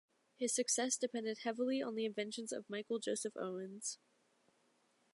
His success depended heavily on the inventions of Michael Joseph Owens.